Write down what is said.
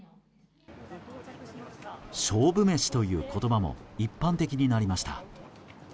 勝負メシという言葉も一般的になりました。